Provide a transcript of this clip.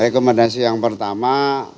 rekomendasi yang pertama